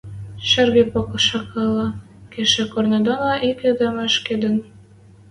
Шӹргӹ покшакыла кешӹ корны доно ик эдем ашкедӹн.